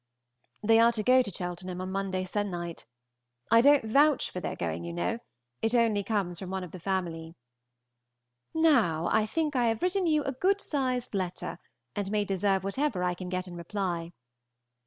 They are to go to Cheltenham on Monday se'nnight. I don't vouch for their going, you know; it only comes from one of the family. Now I think I have written you a good sized letter, and may deserve whatever I can get in reply.